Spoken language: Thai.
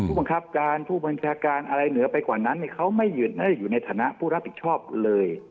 บังคับการผู้บัญชาการอะไรเหนือไปกว่านั้นเขาไม่ได้อยู่ในฐานะผู้รับผิดชอบเลย